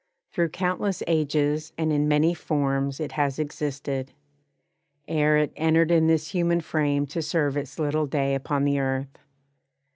Through countless ages and in many forms It has existed, ere it entered in This human frame to serve its little day Upon the earth.